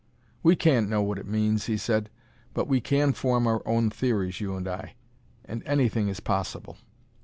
"We can't know what it means," he said, "but we can form our own theories, you and I and anything is possible.